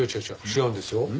違うんですよ。